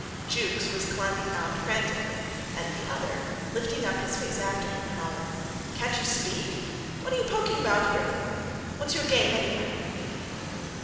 Jukes was climbing out frantically, and the other, lifting up his face after him, howled, "Can't you speak? What are you poking about here for? What's your game, anyhow?"